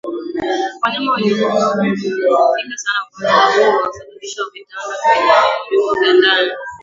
Wanyama waliokufa huwa wamedhoofika sana Ugonjwa huu hausababishi vidonda kwenye viungo vya ndani